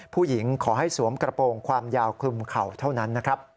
ผู้หญิงขอให้สวมกระโปรงความยาวคลุมเข่าเท่านั้น